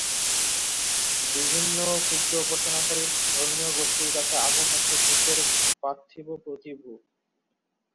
বিভিন্ন সূর্য উপাসনাকারী ধর্মীয় গোষ্ঠীর কাছে আগুন হচ্ছে সূর্যের পার্থিব প্রতিভূ।